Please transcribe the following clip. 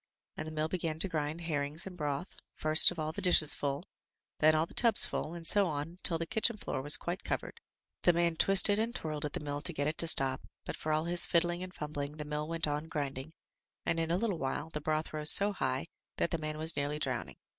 And the mill began to grind herrings and broth, first of all the dishes full, then all the tubs full, and so on till the kitchen floor was quite covered. The man twisted and twirled at the mill to get it to stop, but for all his fiddling and fumbling the mill went on grind ing, and in a little while the broth rose so high that the man was nearly drowning.